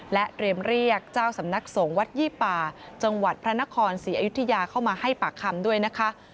และเตรียมเรียกเจ้าสำนักสงฆ์วัดยี่ป่าจังหวัดพระนครศรีอยุธยาเข้ามาให้ปากคำด้วยนะคะ